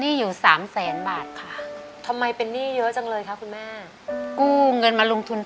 มีอะไรอยากบอกอีกหนึ่งครับ